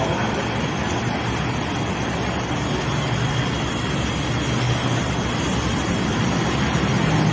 บอล